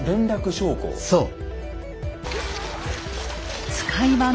そう。